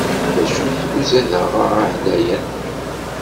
D acu-t uzadaɣ-a aɛlayan?